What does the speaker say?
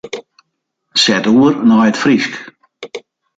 Set oer nei it Frysk.